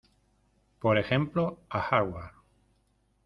por ejemplo, a Harvard.